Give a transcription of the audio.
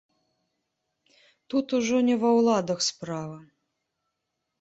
Тут ужо не ва ўладах справа.